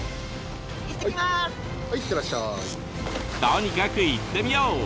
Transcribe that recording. とにかく行ってみよう！